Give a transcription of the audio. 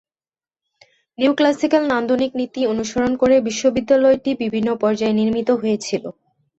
Neoclassical নান্দনিক নীতি অনুসরণ করে বিশ্ববিদ্যালয়টি বিভিন্ন পর্যায়ে নির্মিত হয়েছিল।